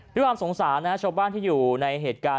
ด้วยความสงสารชาวบ้านที่อยู่ในเหตุการณ์